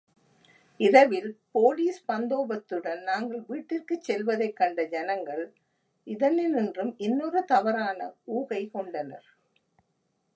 இரவில் போலீஸ் பந்தோபஸ்துடன் நாங்கள் வீட்டிற்குச் செல்வதைக் கண்ட ஜனங்கள், இதனின்றும் இன்னொரு தவறான ஊகை கொண்டனர்.